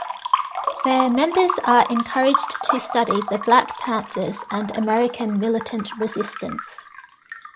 Their members are encouraged to study the Black Panthers and American Militant Resistance.